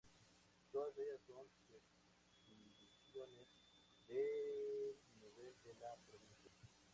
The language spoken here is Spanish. Todas ellas son subdivisiones del nivel de la provincia.